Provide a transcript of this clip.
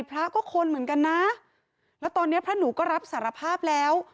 พระก็คนเหมือนกันนะแล้วตอนนี้พระหนูก็รับสารภาพแล้ว